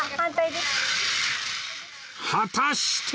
果たして